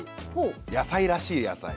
野菜らしい野菜。